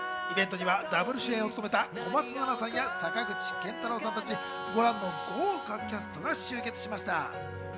イベントにはダブル主演を務めた小松菜奈さんや坂口健太郎さんたち、ご覧の豪華キャストが集結しました。